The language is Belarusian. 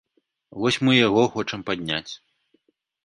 Вось мы яго хочам падняць.